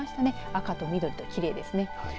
赤や緑ときれいですね。